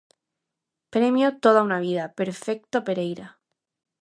Premio "Toda unha vida": Perfecto Pereira.